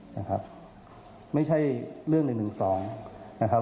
นะครับไม่ใช่เรื่อง๑๑๒นะครับ